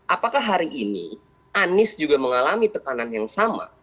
apakah hari ini anies juga mengalami tekanan yang sama